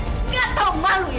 nggak tahu malu ya